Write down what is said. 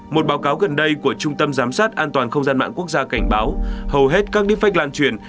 một báo cáo gần đây của trung tâm giám sát an toàn không gian mạng quốc gia cảnh báo hầu hết các defect lan truyền